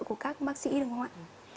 của các bác sĩ đúng không ạ